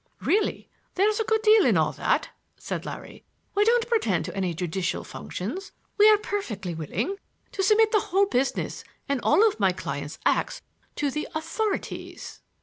"Really, there's a good deal in all that," said Larry. "We don't pretend to any judicial functions. We are perfectly willing to submit the whole business and all my client's acts to the authorities."